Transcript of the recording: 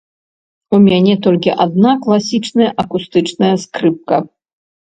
У мяне толькі адна класічная акустычная скрыпка.